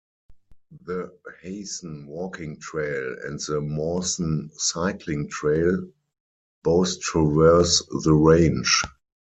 The Heysen Walking Trail and the Mawson Cycling Trail both traverse the range.